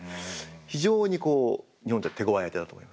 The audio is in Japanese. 非常に日本にとって手ごわい相手だと思います。